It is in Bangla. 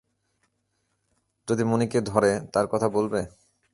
যদি মণিকে ধরে তার কথা বলবে?